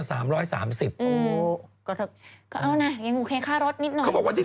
ก็เอานะยังโอเคค่ารถนิดหน่อย